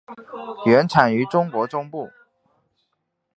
原产于中国中部。